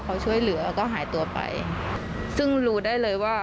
ความโหโชคดีมากที่วันนั้นไม่ถูกในไอซ์แล้วเธอเคยสัมผัสมาแล้วว่าค